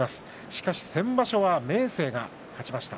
しかし、先場所は明生が勝ちました。